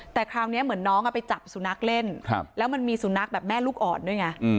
แต่คราวนี้เหมือนน้องไปจับสุนัขเล่นแล้วมันมีสุนัขแบบแม่ลูกอ่อนด้วยไง